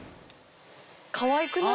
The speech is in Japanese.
かわいくない？